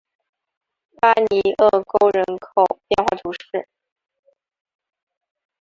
巴尼厄沟人口变化图示